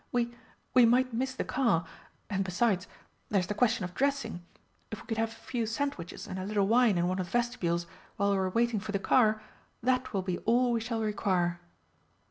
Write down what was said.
We we might miss the car and besides, there's the question of dressing. If we could have a few sandwiches and a little wine in one of the vestibules while we are waiting for the car, that will be all we shall require!"